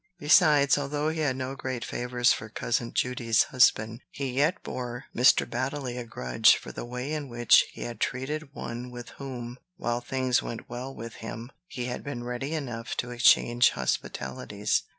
Besides, although he had no great favors for Cousin Judy's husband, he yet bore Mr. Baddeley a grudge for the way in which he had treated one with whom, while things went well with him, he had been ready enough to exchange hospitalities.